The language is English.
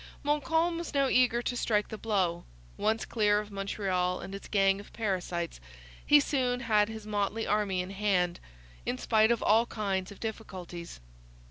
Montcalm was now eager to strike the blow. Once clear of Montreal and its gang of parasites, he soon had his motley army in hand, in spite of all kinds of difficulties.